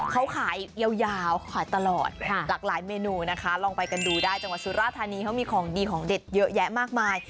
เขาขายยาวขายตลอดหลากหลายเมนูนะคะลองไปกันดูได้จังหวัดสุราธานีเขามีของดีของเด็ดเยอะแยะมากมาย